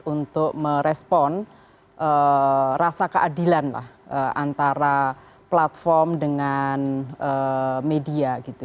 untuk merespon rasa keadilan lah antara platform dengan media gitu